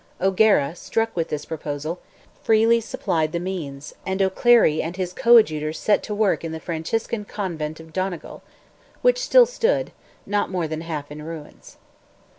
O'Gara, struck with this proposal, freely supplied the means, and O'Clery and his coadjutors set to work in the Franciscan Convent of Donegal, which still stood, not more than half in ruins.